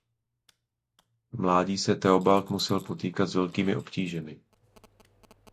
V mládí se Theobald musel potýkat s velkými obtížemi.